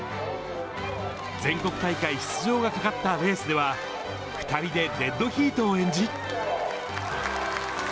全国大会出場がかかったレースでは、２人でデッドヒートを演じ。